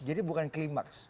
jadi bukan klimaks